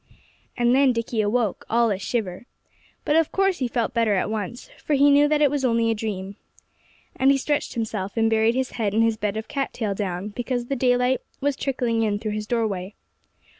And then Dickie awoke, all a shiver. But of course he felt better at once, for he knew that it was only a dream. And he stretched himself, and buried his head in his bed of cat tail down, because the daylight was trickling in through his doorway.